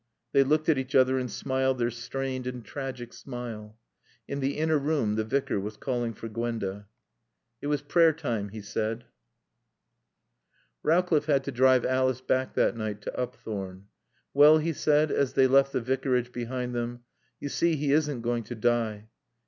They looked at each other and smiled their strained and tragic smile. In the inner room the Vicar was calling for Gwenda. It was prayer time, he said. Rowcliffe had to drive Alice back that night to Upthorne. "Well," he said, as they left the Vicarage behind them, "you see he isn't going to die."